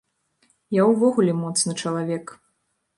Я ўвогуле моцны чалавек.